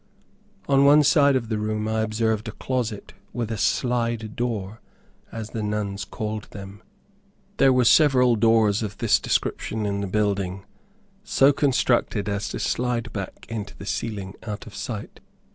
On one side of the room, I observed a closet with a "slide door," as the nuns called them. There were several doors of this description in the building, so constructed as to slide back into the ceiling out of sight.